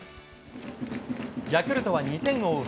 ヤクルトは２点を追う